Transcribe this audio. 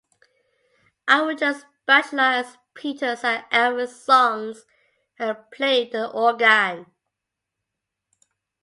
I would just bash along as Peter sang Elvis songs and played the organ.